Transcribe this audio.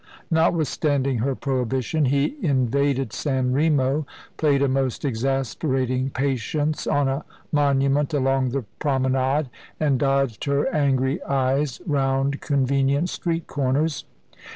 Notwithstanding her prohibition, he invaded San Remo, played a most exasperating Patience on a monument along the promenade, and dodged her angry eyes round convenient street corners.